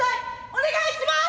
「お願いします